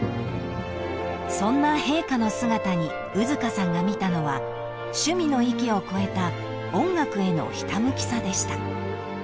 ［そんな陛下の姿に兎束さんが見たのは趣味の域を超えた音楽へのひた向きさでした］